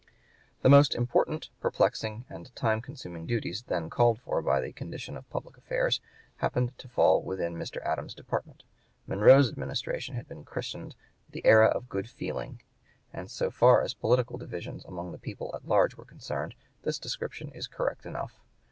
The most important, perplexing, and time consuming duties then called for by the condition of public affairs happened to fall within Mr. Adams's department. Monroe's administration has been christened the "era of good feeling;" and, so far as political divisions among the people at large were concerned, this description is correct enough.